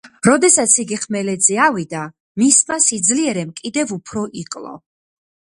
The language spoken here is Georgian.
როდესაც იგი ხმელეთზე ავიდა, მისმა სიძლიერემ კიდევ უფრო იკლო.